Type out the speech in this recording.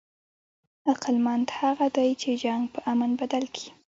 عقلمند هغه دئ، چي جنګ په امن بدل کي.